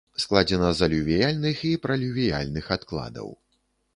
Складзена з алювіяльных і пралювіяльных адкладаў.